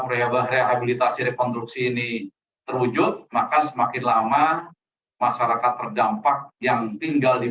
reabah rehabilitasi rekonstruksi ini terwujud maka semakin lama masyarakat terdampak yang tinggal di